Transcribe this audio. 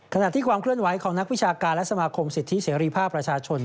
ขณะที่ความเคลื่อนไหวของนักวิชาการและสมาคมสิทธิเสรีภาพประชาชน